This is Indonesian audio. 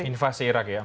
invasi irak ya